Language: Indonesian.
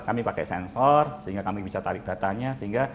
kami pakai sensor sehingga kami bisa tarik datanya sehingga